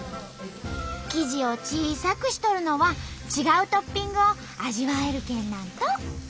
生地を小さくしとるのは違うトッピングを味わえるけんなんと。